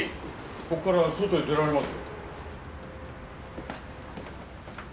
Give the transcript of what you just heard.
こっから外へ出られます。